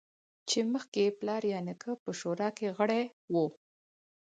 چې مخکې یې پلار یا نیکه په شورا کې غړی و